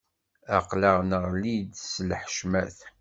Aql-aɣ neɣli-d s lḥecmat.